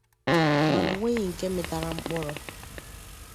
mana o nweghị nke mịtara mkpụrụ